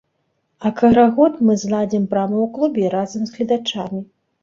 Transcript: А карагод мы зладзім прама ў клубе разам з гледачамі.